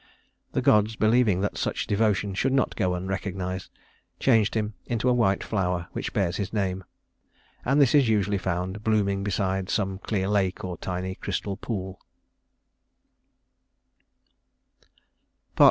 The gods, believing that such devotion should not go unrecognized, changed him into a white flower which bears his name; and this is usually found blooming beside some clear lake or tiny crystal pool.